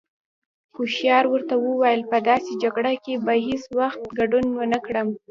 هوښيار ورته وويل: په داسې جگړه کې به هیڅ وخت گډون ونکړم.